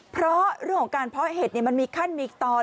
เพราะเรื่องของการเพาะเห็ดมันมีขั้นมีตอน